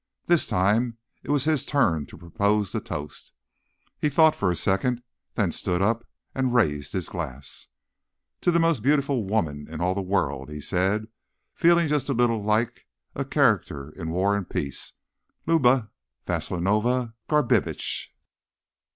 This time it was his turn to propose the toast. He thought for a second, then stood up and raised his glass. "To the most beautiful woman in all the world," he said, feeling just a little like a character in War and Peace. "Luba Vasilovna Garbitsch."